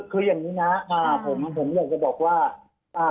คืออย่างนี้นะผมอยากจะบอกว่า